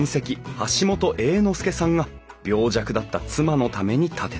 橋本英之助さんが病弱だった妻のために建てた。